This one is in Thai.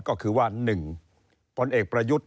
ก็คือว่า๑พลเอกประยุทธ์